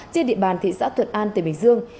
trên địa bàn thị xã thuận an tỉnh bình dương